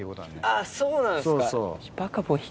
あっそうなんですか。